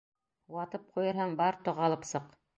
Ватып ҡуйырһың, бар, тоҡ алып сыҡ!